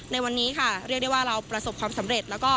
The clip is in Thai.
ในวันนี้ค่ะเรียกได้ว่าเราประสบความสำเร็จแล้วก็